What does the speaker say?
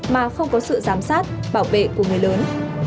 mà không có sự giám sát bảo vệ của người lớn